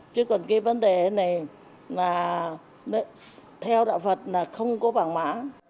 chứ còn cái vấn đề này là theo đạo phật là không có vàng mã